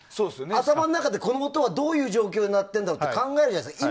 頭の中でこの音はどういう状況で鳴ってるって考えるじゃないですか。